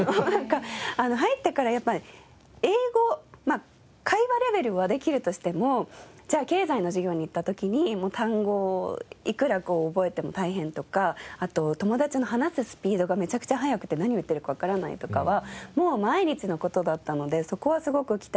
入ってからやっぱり英語会話レベルはできるとしてもじゃあ経済の授業にいった時に単語をいくら覚えても大変とかあと友達の話すスピードがめちゃくちゃ速くて何を言ってるかわからないとかはもう毎日の事だったのでそこはすごく鍛えられたし。